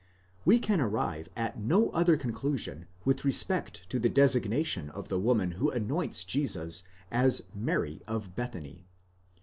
We can arrive at no other conclusion with respect to the designation of the woman who anoints Jesus as Mary of Bethany.